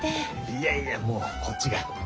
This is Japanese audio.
いやいやもうこっちが。ああ。